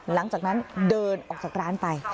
หลังจากนั้นเดินออกจากร้านไป